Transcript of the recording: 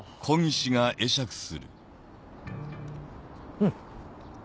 うん。